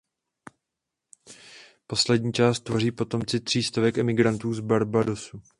Poslední část tvoří potomci tří stovek emigrantů z Barbadosu.